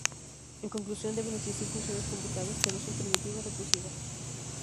En conclusión, deben existir funciones computables que no son primitivas recursivas.